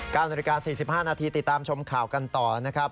นาฬิกา๔๕นาทีติดตามชมข่าวกันต่อนะครับ